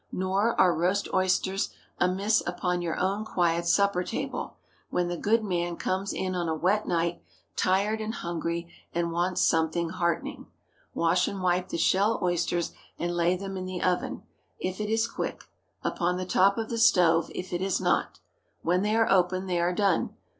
Nor are roast oysters amiss upon your own quiet supper table, when the "good man" comes in on a wet night, tired and hungry, and wants "something heartening." Wash and wipe the shell oysters, and lay them in the oven, if it is quick; upon the top of the stove, if it is not. When they open, they are done.